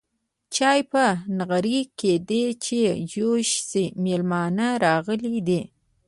چاي په نغرې کيده چې جوش شي ميلمانه راغلي دي.